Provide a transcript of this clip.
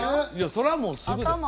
そりゃもうすぐですよ